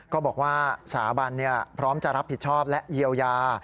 ก็บอกว่าสถาบันพร้อมจะรับผิดชอบและเยียวยา